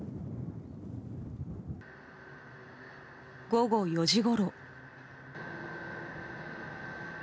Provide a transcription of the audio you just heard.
午後４時ごろ。